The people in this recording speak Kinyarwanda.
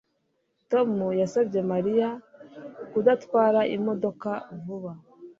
Tom yasabye Mariya kudatwara imodoka vuba